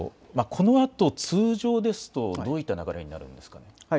このあと通常ですとどういった流れになるんですか。